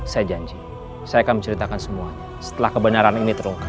saya janji saya akan menceritakan semua setelah kebenaran ini terungkap